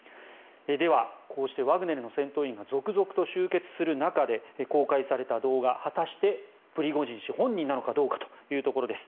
では、こうしてワグネルの戦闘員が続々と集結する中で公開された動画果たしてプリゴジン氏本人なのかというところです。